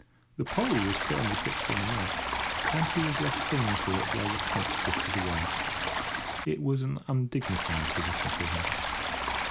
The pole was firmly fixed in the mud, and he was left clinging to it while the punt drifted away. It was an undignified position for him.